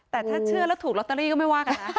แต่ถ้าเชื่อแล้วถูกลอตเตอรี่ก็ไม่ว่ากันนะ